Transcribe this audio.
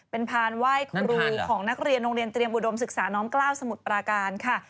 เป็นพานไหว้ครูของนักเรียนโรงเรียนเตรียมอุดมศึกษาน้อมกล้าวสมุทรปราการค่ะ